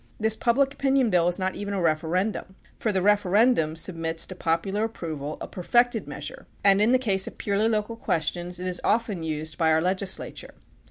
This Public Opinion Bill is not even a referendum, for the referendum sub mits to popular approval a perfected measure, and in the case of purely local questions it is often used by our legislature.